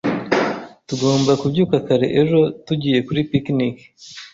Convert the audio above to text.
Tugomba kubyuka kare ejo. Tugiye kuri picnic.